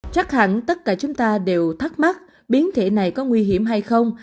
chắc hẳn tất cả chúng ta đều thắc mắc biến thể này có nguy hiểm hay không